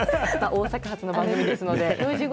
大阪発の番組ですので。